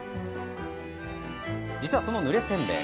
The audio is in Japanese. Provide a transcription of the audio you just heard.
実は、そのぬれせんべい